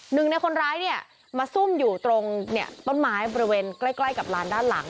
หนึ่งในคนร้ายเนี่ยมาซุ่มอยู่ตรงต้นไม้บริเวณใกล้กับลานด้านหลัง